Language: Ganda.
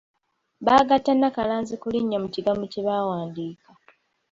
Baagatta nnakalazi ku linnya mu kigambo kye baawandiika.